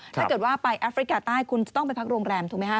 ถ้าเกิดว่าไปแอฟริกาใต้คุณจะต้องไปพักโรงแรมถูกไหมฮะ